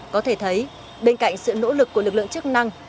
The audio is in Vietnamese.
có thể thấy bên cạnh sự nỗ lực của lực lượng chức năng